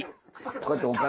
こうやってお金。